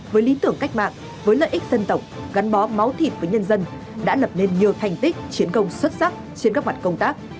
với lý tưởng cách mạng với lợi ích dân tộc gắn bó máu thịt với nhân dân đã lập nên nhiều thành tích chiến công xuất sắc trên các mặt công tác